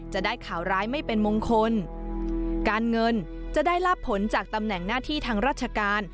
จะได้ข่าวร้ายไม่เป็นมงคลการเงินจะได้รับผลจากตำแหน่งหน้าที่ทางราชการ